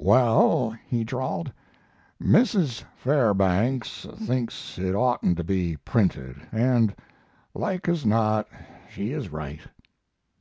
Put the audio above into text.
"Well," he drawled, "Mrs. Fairbanks thinks it oughtn't to be printed, and, like as not, she is right."